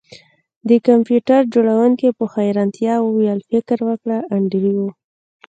د کمپیوټر جوړونکي په حیرانتیا وویل فکر وکړه انډریو